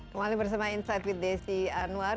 kembali bersama insight with desi anwar